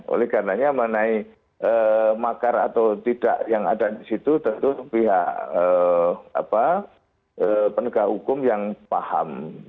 oleh karenanya mengenai makar atau tidak yang ada di situ tentu pihak penegak hukum yang paham